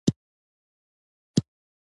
پښتانه باید د پښتو د منلو لپاره هڅه وکړي.